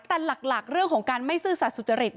แต่หลักเรื่องของการไม่ซื่อสัตว์สุจริต